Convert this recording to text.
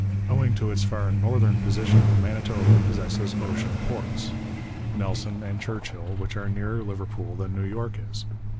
Owing to its far northern position, Manitoba possesses ocean ports, Nelson and Churchill, which are nearer Liverpool than New York is.